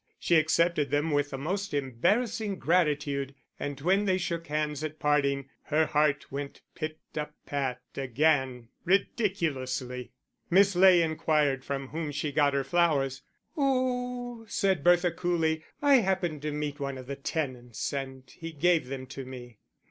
She accepted them with the most embarrassing gratitude; and when they shook hands at parting, her heart went pit a pat again ridiculously. Miss Ley inquired from whom she got her flowers. "Oh," said Bertha coolly, "I happened to meet one of the tenants and he gave them to me."